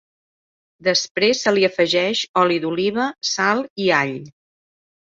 Després se li afegeix oli d'oliva, sal i all.